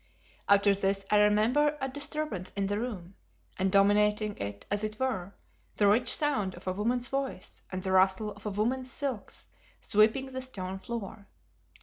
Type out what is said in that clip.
After this I remember a disturbance in the room, and dominating it, as it were, the rich sound of a woman's voice and the rustle of a woman's silks sweeping the stone floor.